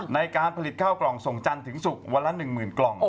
ในการผลิตข้าวกล่องส่งจันทร์ถึงศุกร์วันละ๑๐๐๐กล่อง